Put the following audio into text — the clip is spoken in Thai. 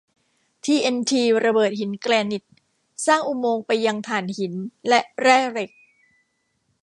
ทีเอ็นทีระเบิดหินแกรนิตสร้างอุโมงค์ไปยังถ่านหินและแร่เหล็ก